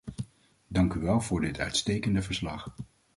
Dank u wel voor dit uitstekende verslag.